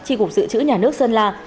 tri cục dự trữ nhà nước sơn la